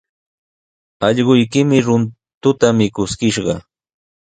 Allquykimi runtuta mikuskishqa.